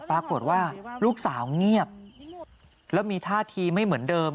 ปรากฏว่าลูกสาวเงียบแล้วมีท่าทีไม่เหมือนเดิม